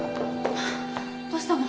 どうしたの？